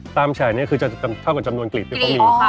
แฉกนี้คือจะเท่ากับจำนวนกลิบที่เขามี